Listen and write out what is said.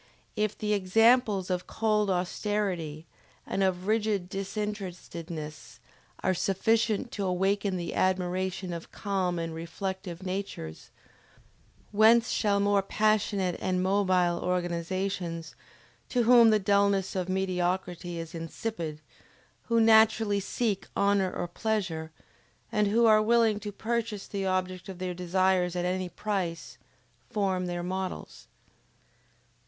] If the examples of cold austerity and of rigid disinterestedness are sufficient to awaken the admiration of calm and reflective natures, whence shall more passionate and mobile organizations, to whom the dullness of mediocrity is insipid, who naturally seek honor or pleasure, and who are willing to purchase the object of their desires at any price form their models?